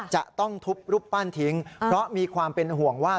จะต้องทุบรูปปั้นทิ้งเพราะมีความเป็นห่วงว่า